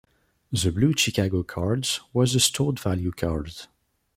The blue Chicago Card was a stored value card.